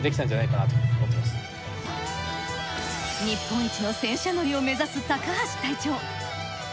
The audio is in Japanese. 日本一の戦車乗りを目指す高橋隊長。